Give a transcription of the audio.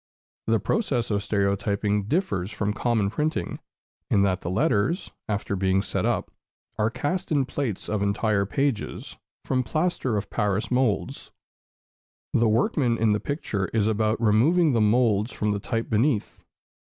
The process of stereotyping differs from common printing, in that the letters, after being set up, are cast in plates of entire pages, from plaster of Paris moulds. The workman in the picture is about removing the moulds from the type beneath.